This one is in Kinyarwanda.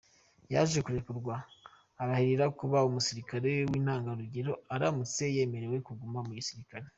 Yaje kurekurwa, arahirira kuba umusirikare w’intangarugero aramutse yemerewe kuguma mu gisirikare.